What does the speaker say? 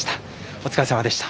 お疲れさまでした。